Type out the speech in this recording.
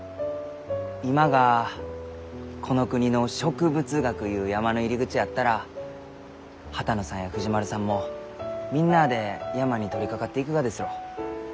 今がこの国の植物学ゆう山の入り口やったら波多野さんや藤丸さんもみんなあで山に取りかかっていくがですろう？